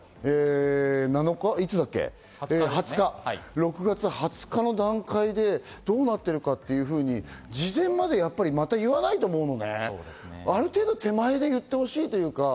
６月２０日の段階でどうなっているかっていうふうに事前までまた言わないと思うのね、ある程度、手前で言ってほしいというか。